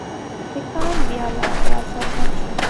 سیکهان بیا را څرګند شول.